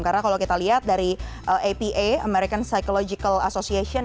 karena kalau kita lihat dari apa american psychological association